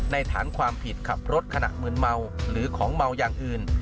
ฐานความผิดขับรถขณะมืนเมาหรือของเมาอย่างอื่น